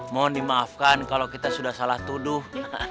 mohon dimaafkan kalau kita sudah salah tuduh